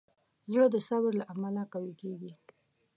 زړه د صبر له امله قوي کېږي.